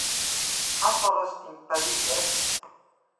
Hast al ris yn Parys west?